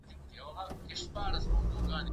زه اجازه لرم چي تمرين وکړم؟